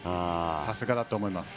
さすがだと思います。